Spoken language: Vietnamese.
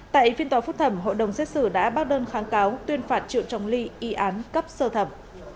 tại phiên tòa phúc thẩm hội đồng xét xử đã bác đơn kháng cáo tuyên phạt triệu trọng ly y án cấp sơ thẩm